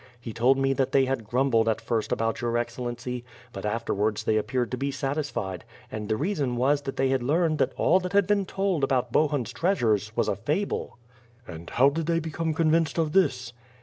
Ho told me that they had all grumbled at first about your Excellency, but afterwards they appeared to be satisfied; and the reason was that they learned that all that had been told about Bobun's treasures was a fable." "And how did they become convinced of this?"